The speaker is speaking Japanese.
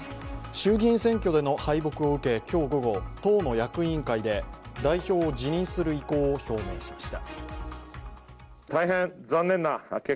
衆議院選挙での敗北を受け、今日午後、党の役員会で代表を辞任する意向を表明しました。